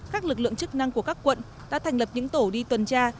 các lực lượng chức năng của các quận đã thành lập những tổ đi tuần tra